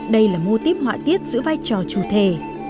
đây là mô típ họa tiết giữ vai trò chủ thể